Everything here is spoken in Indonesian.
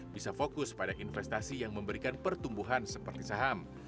bisa fokus pada investasi yang memberikan pertumbuhan seperti saham